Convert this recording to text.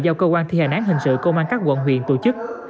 do cơ quan thi hành án hình sự công an các quận huyện tổ chức